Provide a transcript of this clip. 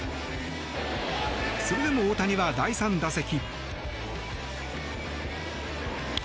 それでも大谷は第３打席。